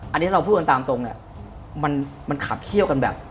อันนี้เราพูดกันตามตรงเนี่ยมันขับเขี้ยวกันแบบ